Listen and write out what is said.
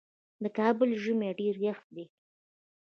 د کابل ژمی ډیر یخ دی